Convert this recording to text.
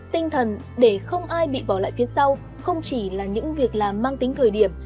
tinh thần để không ai bị bỏ lại phía sau không chỉ là những việc làm mang tính thời điểm